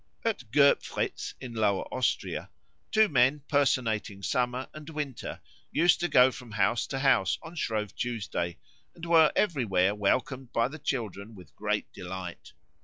At Goepfritz in Lower Austria, two men personating Summer and Winter used to go from house to house on Shrove Tuesday, and were everywhere welcomed by the children with great delight.